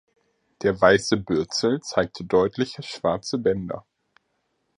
Der weiße Bürzel zeigt deutliche schwarze Bänder.